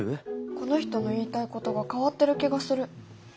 この人の言いたいことが変わってる気がする。